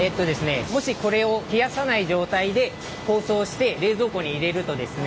もしこれを冷やさない状態で包装して冷蔵庫に入れるとですね